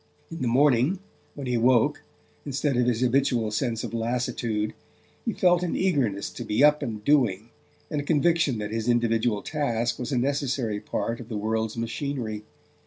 In the morning, when he woke, instead of his habitual sense of lassitude, he felt an eagerness to be up and doing, and a conviction that his individual task was a necessary part of the world's machinery.